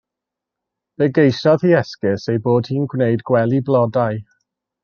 Fe geisiodd hi esgus ei bod hi'n gwneud gwely blodau.